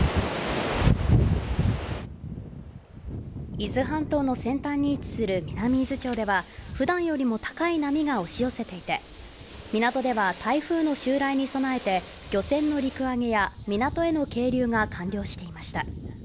伊豆半島の先端に位置する南伊豆町では普段よりも高い波が押し寄せていて港では台風の襲来に備えて漁船の陸揚げや港への係留が完了していました